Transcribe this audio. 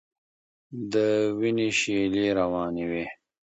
د وینو شېلې روانې وې.